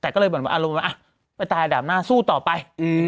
ก็เลยอารมณ์ว่าไปตายแด่มหน้าสู้ต่อไป